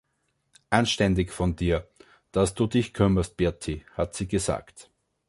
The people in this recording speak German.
„Anständig von dir, dass du dich kümmerst, Bertie“, hat sie gesagt.